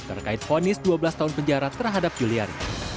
terkait ponis dua belas tahun penjara terhadap juliari